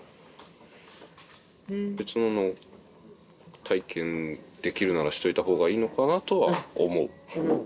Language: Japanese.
別の体験できるならしておいた方がいいのかなとは思う。